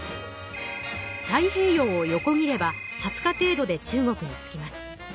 太平洋を横切れば２０日程度で中国に着きます。